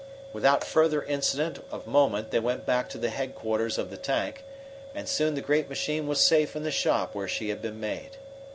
Without further incident of moment they went back to the headquarters of the tank, and soon the great machine was safe in the shop where she had been made.